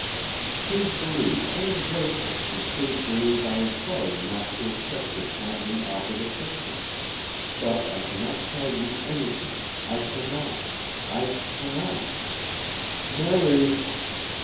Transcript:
Please believe I am grateful and please believe I am sorry not to accept your kindly offered assistance. But I cannot tell you anything, I cannot—I cannot—Merry!"